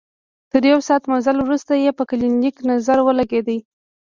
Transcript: تر يو ساعت مزله وروسته يې په کلينيک نظر ولګېد.